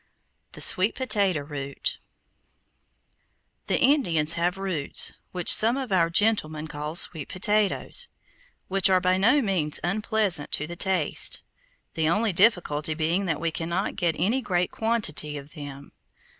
THE SWEET POTATO ROOT The Indians have roots, which some of our gentlemen call sweet potatoes, which are by no means unpleasant to the taste, the only difficulty being that we cannot get any great quantity of them.